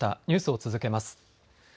ニュースを続けます。